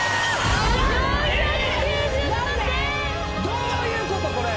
どういうことこれは。